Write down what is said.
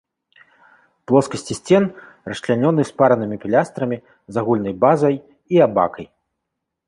Плоскасці сцен расчлянёны спаранымі пілястрамі з агульнай базай і абакай.